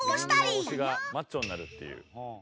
自分の推しがマッチョになるっていう。